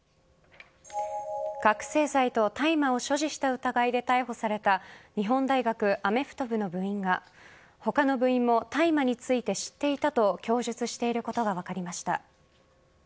覚醒剤と大麻を所持した疑いで逮捕された日本大学アメフト部の部員が他の部員も大麻について知っていたと供述していることが分かりました。